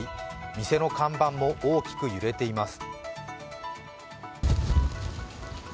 店の看板も大きく揺れています。